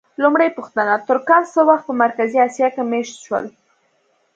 لومړۍ پوښتنه: ترکان څه وخت په مرکزي اسیا کې مېشت شول؟